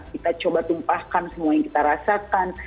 kita coba tumpahkan semua yang kita rasakan